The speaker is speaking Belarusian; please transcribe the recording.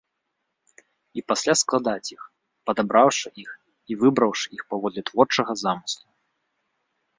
І пасля складаць іх, падабраўшы іх і выбраўшы іх паводле творчага замыслу.